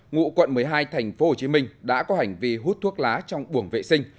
ngụ quận một mươi hai thành phố hồ chí minh đã có hành vi hút thuốc lá trong buồng vệ sinh